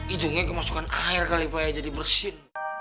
ijungnya kemasukan air kali pak jadi bersin